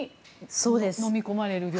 そうです。